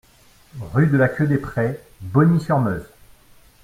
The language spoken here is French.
Rue de la Queue des Prés, Bogny-sur-Meuse